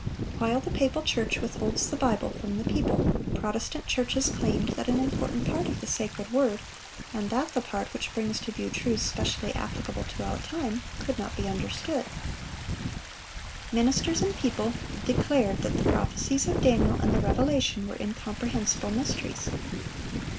While the papal church withholds the Bible(569) from the people, Protestant churches claimed that an important part of the sacred word—and that the part which brings to view truths specially applicable to our time—could not be understood. Ministers and people declared that the prophecies of Daniel and the Revelation were incomprehensible mysteries.